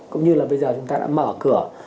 cũng như là bây giờ chúng ta đã mở cửa